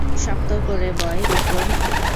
শক্ত করে বয়, বিক্রম!